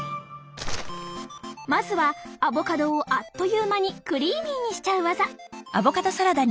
まずはアボカドをあっという間にクリーミーにしちゃう技！